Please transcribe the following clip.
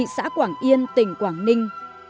xã quảng yên tỉnh quảng ninh